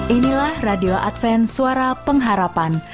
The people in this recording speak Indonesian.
inilah radio adven suara pengharapan